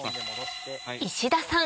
石田さん